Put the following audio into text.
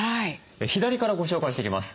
左からご紹介していきます。